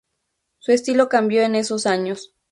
Su estilo cambió en esos años.